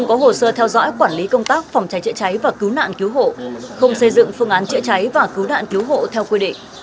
có hồ sơ theo dõi quản lý công tác phòng cháy chữa cháy và cứu nạn cứu hộ không xây dựng phương án chữa cháy và cứu nạn cứu hộ theo quy định